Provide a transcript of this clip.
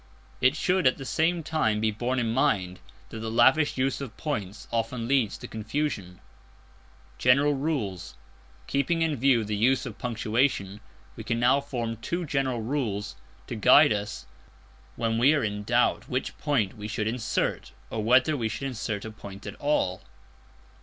It should at the same time be borne in mind that the lavish use of points often leads to confusion. General Rules. Keeping in view the use of punctuation, we can now form two general rules to guide us when we are in doubt which point we should insert, or whether we should insert a point at all.